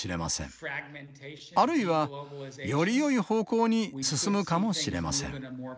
あるいはよりよい方向に進むかもしれません。